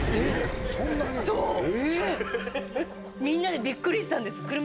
みんなでびっくりしたんです。